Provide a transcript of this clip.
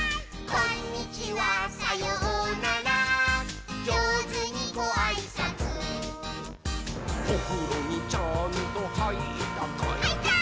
「こんにちはさようならじょうずにごあいさつ」「おふろにちゃんとはいったかい？」はいったー！